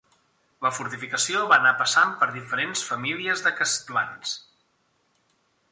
La fortificació va anar passant per diferents famílies de castlans.